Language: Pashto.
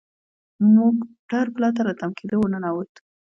موټر پرته له تم کیدو ور ننوت.